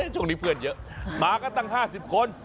ช่วงนี้เพื่อนเยอะมากันตั้ง๕๐คน